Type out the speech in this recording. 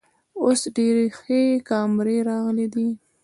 اوس ډیرې ښې کامرۍ راغلی ده